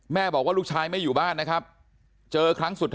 แล้วก็ยัดลงถังสีฟ้าขนาด๒๐๐ลิตร